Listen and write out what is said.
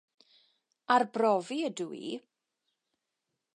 Arbrofi ydw i.